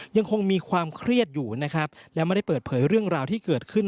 ยังคงมีความเครียดอยู่นะครับและไม่ได้เปิดเผยเรื่องราวที่เกิดขึ้น